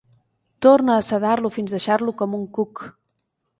Torna a sedar-lo fins deixar-lo com un cuc.